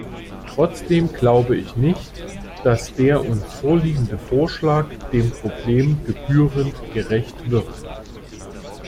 Trotzdem glaube ich nicht, dass der uns vorliegende Vorschlag dem Problem gebührend gerecht wird.